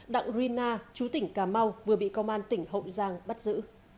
đặng rina chú tỉnh cà mau vừa bị công an tỉnh hậu giang bắt giữ